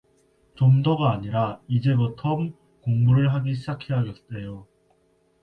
좀더가 아니라 이제버텀 공부를 하기 시작해야겠에요.